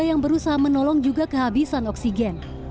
yang berusaha menolong juga kehabisan oksigen